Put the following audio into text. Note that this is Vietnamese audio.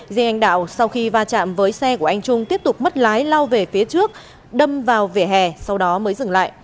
riêng anh đạo sau khi va chạm với xe của anh trung tiếp tục mất lái lao về phía trước đâm vào vỉa hè sau đó mới dừng lại